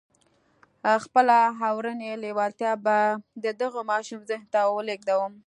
خپله اورنۍ لېوالتیا به د دغه ماشوم ذهن ته ولېږدوم.